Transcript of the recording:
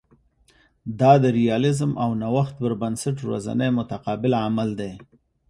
دا د ریالیزم او نوښت پر بنسټ ورځنی متقابل عمل دی